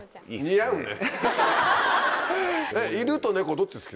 似合うね。